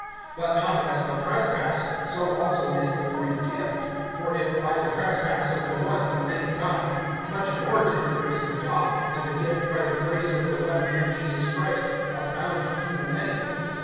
(15)But not as the trespass, so also is the free gift; for if by the trespass of the one the many died, much more did the grace of God, and the gift by the grace of the one man, Jesus Christ, abound to the many.